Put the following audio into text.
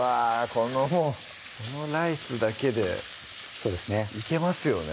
このもうこのライスだけでそうですねいけますよね